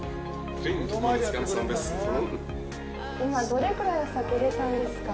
今、どれくらいお酒を入れたんですか？